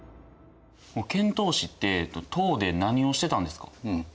遣唐使って唐で何をしてたんですか？